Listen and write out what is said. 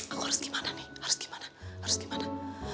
aku harus gimana nih harus gimana harus gimana